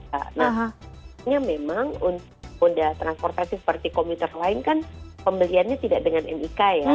nah sebenarnya memang moda transportasi seperti komputer lain kan pembeliannya tidak dengan nik ya